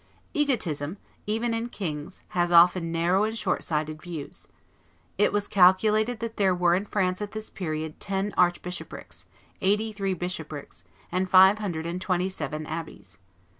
Egotism, even in kings, has often narrow and short sighted views. It was calculated that there were in France at this period ten archbishoprics, eighty three bishoprics, and five hundred and twenty seven abbeys.